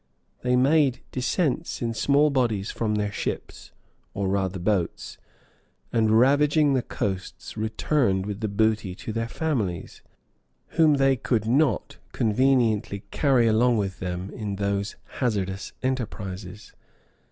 They made descents in small bodies from their ships, or rather boats, and ravaging the coasts, returned with the booty to their families, whom they could not conveniently carry along with them in those hazardous enterprises.